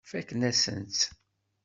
Fakken-asen-tt.